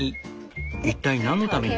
一体なんのために？